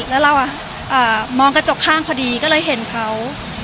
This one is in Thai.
แล้วเรามองกระจกข้างพอดีก็เลยเห็นเขา